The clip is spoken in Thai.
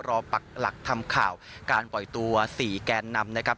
ปักหลักทำข่าวการปล่อยตัว๔แกนนำนะครับ